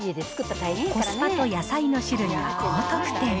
コスパと野菜の種類が高得点。